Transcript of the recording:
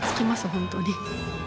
本当に。